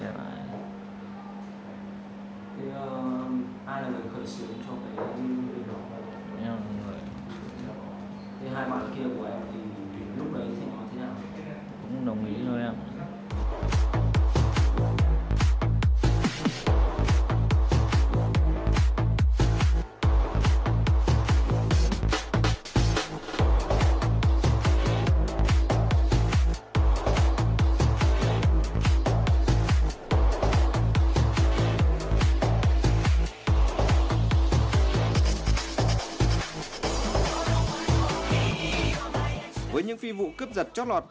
với những phi vụ cướp giật chót lọt